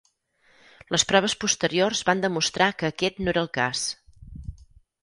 Les proves posteriors van demostrar que aquest no era el cas.